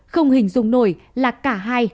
không hình dung nổi là cả hai